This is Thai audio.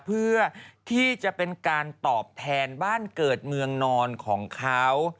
เพื่อที่จะเป็นการตอบแทนบ้านเกิดเมืองนอนของเขา